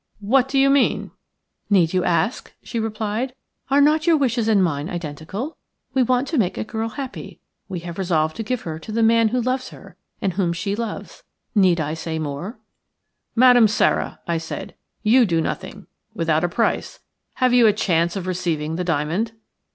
"What do you mean?" "Need you ask?" she replied. "Are not your wishes and mine identical? We want to make a girl happy. We have resolved to give her to the man who loves her and whom she loves. Need I say any more?" "Madame Sara," I said, "you do nothing without a price. Have you a chance of receiving the diamond?"